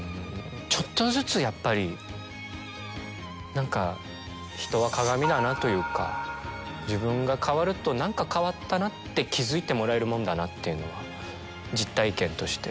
ちょっとずつやっぱり何か。というか自分が変わると何か変わったなって気付いてもらえるもんだなっていうのは実体験として。